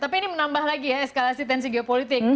tapi ini menambah lagi ya eskalasi tensi geopolitik